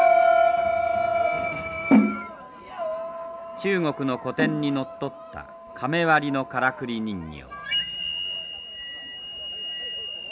中国の古典にのっとった甕破りのからくり人形。